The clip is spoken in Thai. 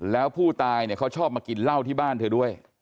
แล้วผู้ตายเนี่ยเขาชอบมากินเหล้าที่บ้านเธอด้วย